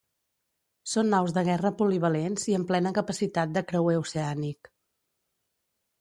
Són naus de guerra polivalents i amb plena capacitat de creuer oceànic.